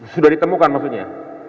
sudah ditemukan maksudnya